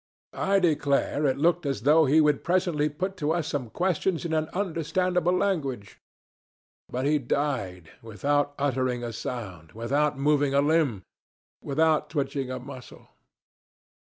I declare it looked as though he would presently put to us some question in an understandable language; but he died without uttering a sound, without moving a limb, without twitching a muscle.